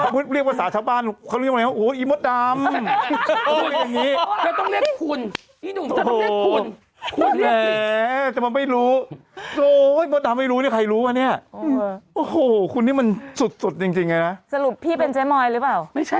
เพราะฉันก็คิดว่าอีกคนคือฉันเป็นคนที่ไม่ชอบยุ่งเรื่องชาวบ้าน